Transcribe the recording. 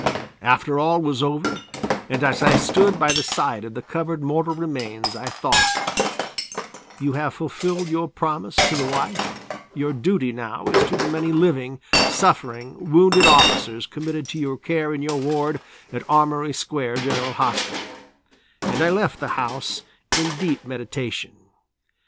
After all was over, and as I stood by the side of the covered mortal remains I thought: "You have fulfilled your promise to the wife, your duty now is to the many living, suffering, wounded officers committed to your care in your ward at Armory Square General Hospital," and I left the house in deep meditation.